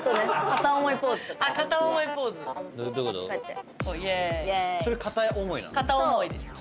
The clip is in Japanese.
片思いです。